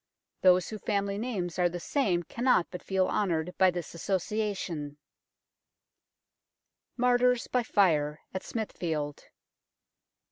Those whose family names are the same cannot but feel honoured by this association. MARTYRS BY FIRE AT SMITHFIELD.